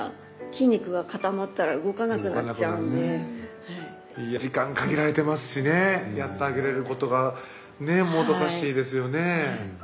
筋肉が固まったら動かなくなっちゃうんで時間限られてますしねやってあげれることがねっもどかしいですよね